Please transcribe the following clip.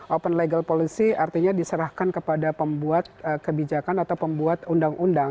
open legal policy artinya diserahkan kepada pembuat kebijakan atau pembuat undang undang